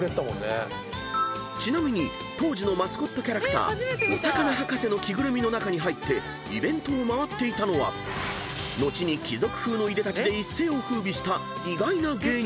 ［ちなみに当時のマスコットキャラクターお魚博士の着ぐるみの中に入ってイベントを回っていたのは後に貴族風のいでたちで一世を風靡した意外な芸人］